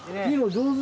上手。